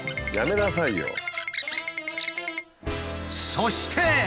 そして。